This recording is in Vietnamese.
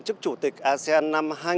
chức chủ tịch asean năm hai nghìn một mươi chín